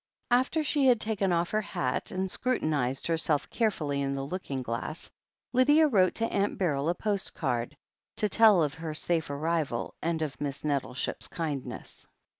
After she had taken off her hat and scrutinized her self carefully in the looking glass, Lydia wrote to Aunt Beryl a postcard, to tell her of her safe arrival and of Miss Nettleship's kindness.